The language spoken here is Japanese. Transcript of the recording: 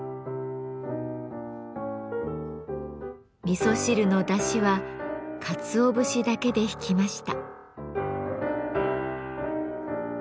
みそ汁のだしはかつお節だけでひきました。